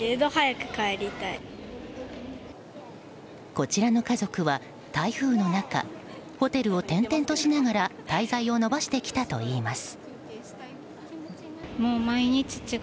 こちらの家族は、台風の中ホテルを転々としながら滞在を延ばしてきたといいます。